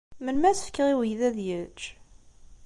Melmi ara as-fkeɣ i uydi ad yečč?